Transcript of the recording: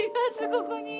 ここに。